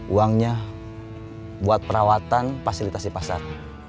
uangnya buat perawatan fasilitasi pasar